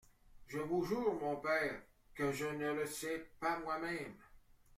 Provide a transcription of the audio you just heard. Je vous jure, mon père, que je ne la sais pas moi-même.